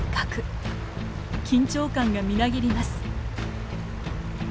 緊張感がみなぎります。